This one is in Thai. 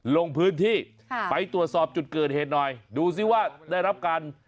ลงพื้นที่ไปตรวจสอบจุดเกิดเหตุหน่อยดูซิว่าได้รับการ